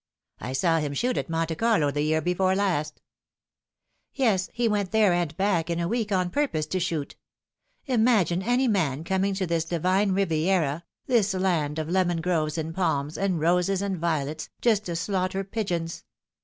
" I saw him shoot at Monte Carlo the year before last." The Grave on the Bill. 288 ' Yes ; he went there and back in a week on purpose to shoot. Imagine any man coming to this divine Riviera, this land of lemon groves and palms, and roses and violets, just to slaughter pigeons